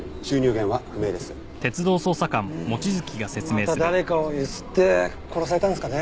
また誰かを強請って殺されたんですかね？